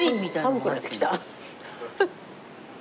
寒くなってきた。